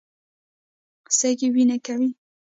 سږي وینه پاکوي.